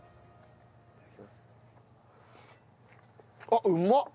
あっうまっ！